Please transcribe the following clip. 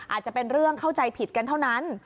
อาจจะเป็นเรื่องเข้าใจผิดกันเท่านั้น